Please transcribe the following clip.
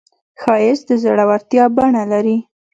ښایست د زړورتیا بڼه لري